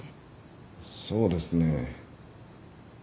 そうですね。